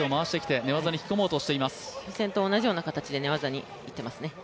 初戦と同じような形で寝技にいってますね。